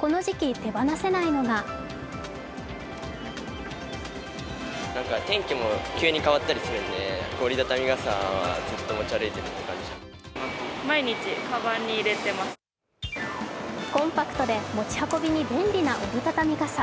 この時期、手放せないのがコンパクトで持ち運びに便利な折り畳み傘。